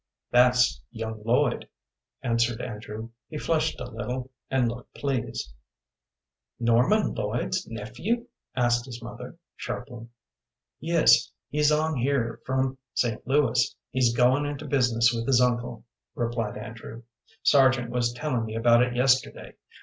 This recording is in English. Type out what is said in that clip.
"That's young Lloyd," answered Andrew. He flushed a little, and looked pleased. "Norman Lloyd's nephew?" asked his mother, sharply. "Yes, he's on here from St. Louis. He's goin' into business with his uncle," replied Andrew. "Sargent was telling me about it yesterday.